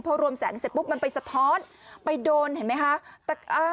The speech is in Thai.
พอรวมแสงเสร็จปุ๊บมันไปสะท้อนไปโดนเห็นไหมคะ